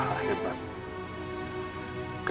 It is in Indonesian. kita udah buka